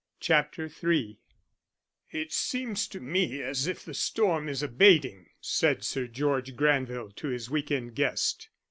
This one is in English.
CHAPTER III "IT seems to me as if the storm is abating," said Sir George Granville to his week end guest.